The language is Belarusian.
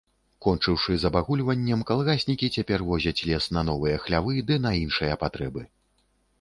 Кончыўшы з абагульваннем, калгаснікі цяпер возяць лес на новыя хлявы ды на іншыя патрэбы.